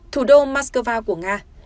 thủ đô moskova của nga